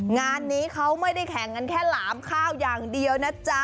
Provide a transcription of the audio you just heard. งานนี้เขาไม่ได้แข่งกันแค่หลามข้าวอย่างเดียวนะจ๊ะ